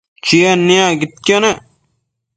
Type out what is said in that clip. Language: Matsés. Chied niacquidquio nec